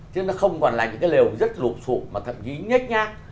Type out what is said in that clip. chứ nó không còn là những cái liều rất lụp sụp mà thậm chí nhét nhát